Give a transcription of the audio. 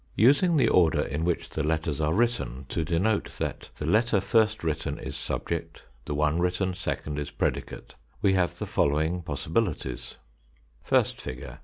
Using the order in which the letters are written to denote that the letter first written is subject, the one written second is predicate, we have the following pos sibilities : 1st Figure.